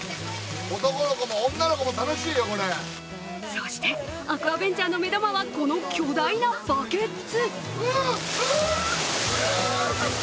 そして、アクアベンチャーの目玉はこの巨大なバケツ。